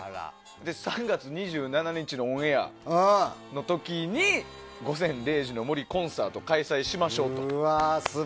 ３月２７日のオンエアの時に「午前０時の森コンサート」を開催しましょうと。